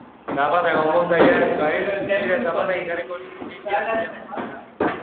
Zapata-konpontzailea ez bahintz, nire zapatak ekarriko nizkiake azpia jartzera.